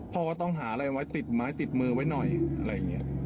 ก็ต้องหาอะไรไว้ติดไม้ติดมือไว้หน่อยอะไรอย่างนี้